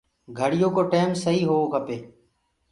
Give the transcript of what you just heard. گھڙيو ڪو ٽيم سهي هوو کپي